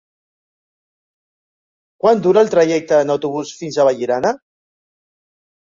Quant dura el trajecte en autobús fins a Vallirana?